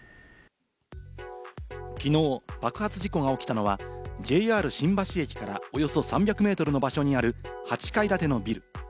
きのう、爆発事故が起きたのはＪＲ新橋駅からおよそ３００ｍの場所にある８階建てのビル。